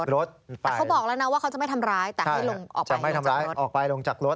เขาบอกแล้วนะว่าเขาจะไม่ทำร้ายเหลงออกไปจากรถ